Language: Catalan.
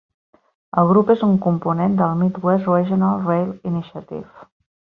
El grup és un component de la Midwest Regional Rail Initiative.